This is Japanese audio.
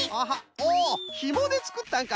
おおひもでつくったんか。